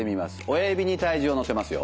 親指に体重を乗せますよ。